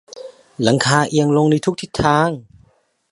หลังคาเอียงลงในทุกทิศทาง